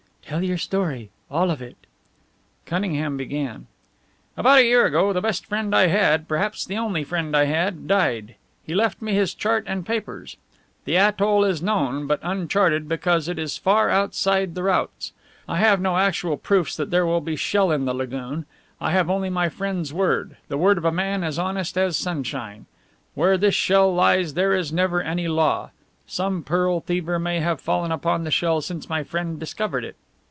"Tell your story all of it." Cunningham began: "About a year ago the best friend I had perhaps the only friend I had died. He left me his chart and papers. The atoll is known, but uncharted, because it is far outside the routes. I have no actual proofs that there will be shell in the lagoon; I have only my friend's word the word of a man as honest as sunshine. Where this shell lies there is never any law. Some pearl thiever may have fallen upon the shell since my friend discovered it."